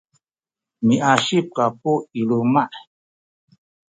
miasik kaku i luma’.